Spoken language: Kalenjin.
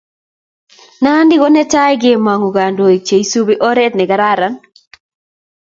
Nandi konetea kemangu kandoik che isubi oret ne kararan